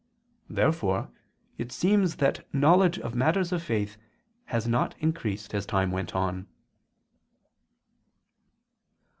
Therefore it seems that knowledge of matters of faith has not increased as time went on.